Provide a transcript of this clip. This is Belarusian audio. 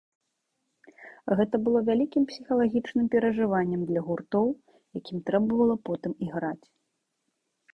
Гэта было вялікім псіхалагічным перажываннем для гуртоў, якім трэба было потым іграць.